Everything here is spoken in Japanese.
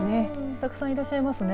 たくさんいらっしゃいますね。